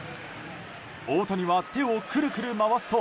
大谷は手をくるくる回すと